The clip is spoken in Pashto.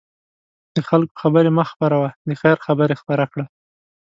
د خلکو خبرې مه خپره وه، د خیر خبرې خپره کړه.